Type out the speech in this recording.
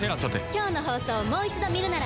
今日の放送をもう一度見るなら。